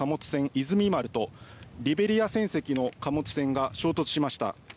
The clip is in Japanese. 「いずみ丸」とリベリア船籍の貨物船が衝突しました。